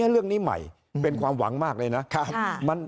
เรื่องนี้ใหม่เป็นความหวังมากเลยนะ